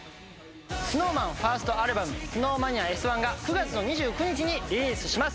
ＳｎｏｗＭａｎファーストアルバム『ＳｎｏｗＭａｎｉａＳ１』が９月２９日リリースします。